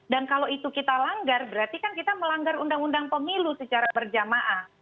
dan kalau itu kita langgar berarti kan kita melanggar undang undang pemilu secara berjamaah